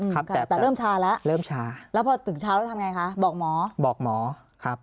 ครับค่ะแต่เริ่มชาแล้วเริ่มชาแล้วพอถึงเช้าแล้วทำไงคะบอกหมอบอกหมอครับ